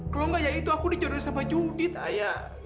kalau nggak ya itu aku dijodohin sama judit ayah